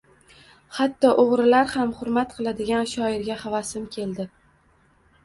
Xatto o’g’rilar ham xurmat qiladigan shoirga xavasim keldi.